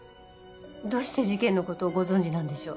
どうして事件のことをご存じなんでしょう？